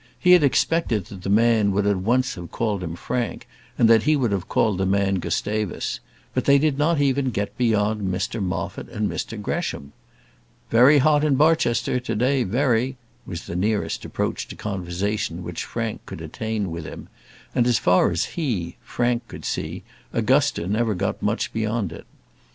He had expected that the man would at once have called him Frank, and that he would have called the man Gustavus; but they did not even get beyond Mr Moffat and Mr Gresham. "Very hot in Barchester to day, very," was the nearest approach to conversation which Frank could attain with him; and as far as he, Frank, could see, Augusta never got much beyond it.